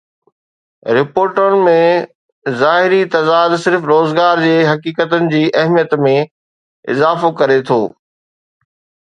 رپورٽن ۾ ظاهري تضاد صرف روزگار جي حقيقتن جي اهميت ۾ اضافو ڪري ٿو